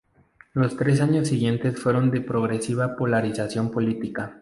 Los tres años siguientes fueron de progresiva polarización política.